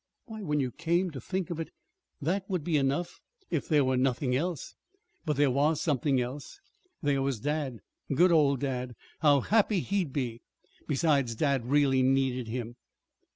Why, when you came to think of it, that would be enough, if there were nothing else! But there was something else. There was dad. Good old dad! How happy he'd be! Besides, dad really needed him.